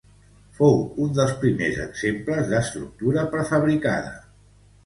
Fou un dels primers exemples d'estructura prefabricada.